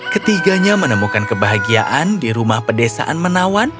ketiganya menemukan kebahagiaan di rumah pedesaan menawan